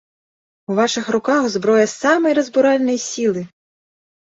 У вашых руках зброя самай разбуральнай сілы!